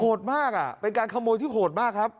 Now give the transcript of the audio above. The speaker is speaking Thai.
โหดมากเป็นการขโมยที่โหดมาก